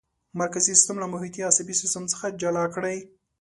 مرکزي سیستم له محیطي عصبي سیستم څخه جلا کړئ.